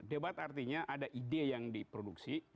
debat artinya ada ide yang diproduksi